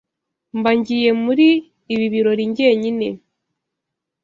Nbagiyemuri ibi birori jyenyine.